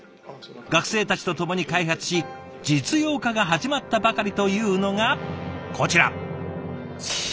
学生たちとともに開発し実用化が始まったばかりというのがこちら。